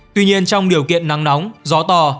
tuy nhiên trong điều kiện nắng nóng gió to